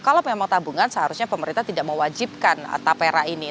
kalau memang tabungan seharusnya pemerintah tidak mewajibkan tapera ini